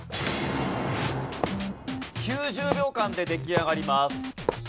９０秒間で出来上がります。